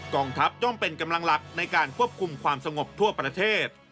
กองทัพย่อมเป็นกำลังหลักในการควบคุมความสงบทั่วประเทศ